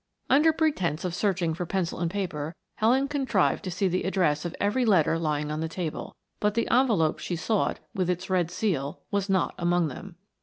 Under pretense of searching for pencil and paper Helen contrived to see the address of every letter lying on the table, but the envelope she sought, with its red seal, was not among them.